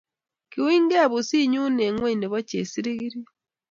Kaunygei pusinyu eng ngweny nebo chesikirit